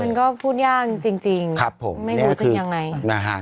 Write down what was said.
มันก็พูดยากจริงไม่รู้จึงยังไง